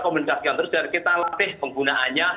komunikasikan terus dan kita latih penggunaannya